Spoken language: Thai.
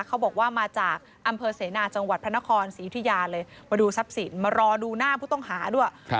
เขาบอกว่ามาจากอำเภอเสนาจังหวัดพระนครศรียุธิยาเลยมาดูทรัพย์สินมารอดูหน้าผู้ต้องหาด้วย